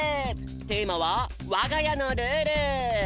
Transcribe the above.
テーマは「わがやのルール」。